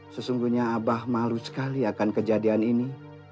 sesungguhnya abah malu sekali akan kejadian ini